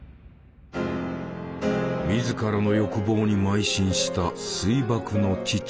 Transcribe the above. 自らの欲望にまい進した水爆の父。